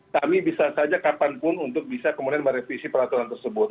kami bisa saja kapanpun untuk bisa kemudian merevisi peraturan tersebut